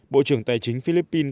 bộ trưởng tài chính philippines